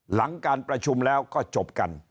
หลังการประชุมแล้วก็จบกัน